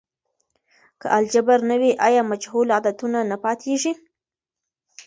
که الجبر نه وي، آیا مجهول عددونه نه پاتیږي؟